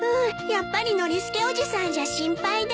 やっぱりノリスケおじさんじゃ心配で。